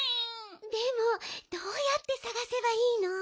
でもどうやってさがせばいいの？